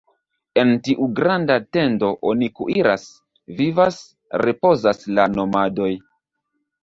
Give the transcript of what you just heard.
En tiu granda tendo oni kuiras, vivas, ripozas la nomadoj.